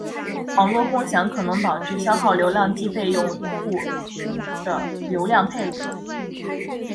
网络共享可能导致消耗流量计费用户的流量配额。